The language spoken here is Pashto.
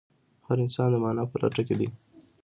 هر انسان د مانا په لټه کې دی.